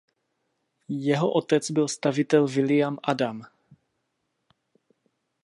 Jeho otec byl stavitel William Adam.